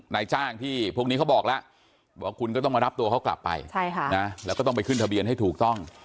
นายจ้างที่พวกนี้เขาบอกแล้วบอกคุณก็ต้องมารับตัวเขากลับไปแล้วก็ต้องไปขึ้นทะเบียนให้ถูกต้อง